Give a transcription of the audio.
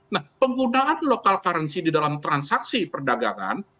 nah penggunaan local currency di dalam transaksi perdagangan